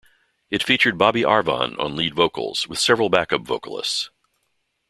It featured Bobby Arvon on lead vocals, with several back-up vocalists.